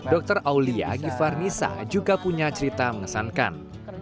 dr aulia gifarnisa juga punya cerita mengesankan